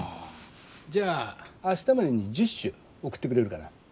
じゃあ明日までに１０首送ってくれるかな。